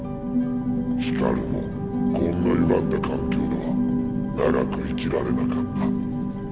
ヒカルもこんなゆがんだ環境では長く生きられなかった。